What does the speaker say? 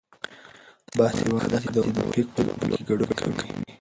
باسواده ښځې د اولمپیک په لوبو کې ګډون کوي.